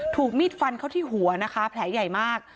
ถูกมีดฟันเข้าที่หัวนะคะแผลใหญ่มาก